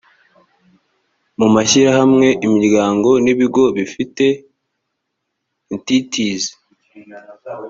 mu mashyirahamwe imiryango n ibigo bifite entities